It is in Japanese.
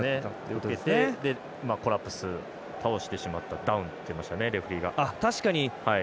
受けて、コラプス倒してしまったダウンって言いましたねレフリーが。